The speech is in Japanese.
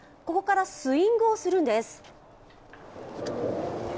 ここからスイングをするんです。